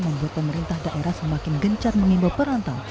membuat pemerintah daerah semakin gencar mengimbau perantau